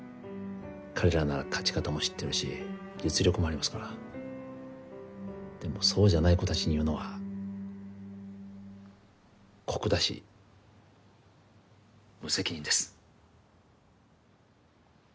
彼らなら勝ち方も知ってるし実力もありますからでもそうじゃない子達に言うのは酷だし無責任です